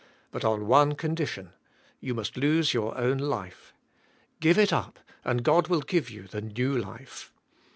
But on one condition: you must lose your own life. Give it up and God will g^ive you the new life.